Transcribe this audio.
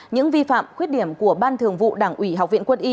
những vi phạm khuyết điểm của ban thường vụ đảng ủy học viện quân y